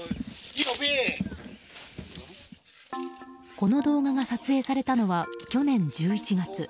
この動画が撮影されたのは去年１１月。